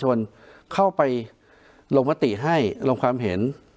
ชวนเข้าไปลงมติให้ลงความเห็น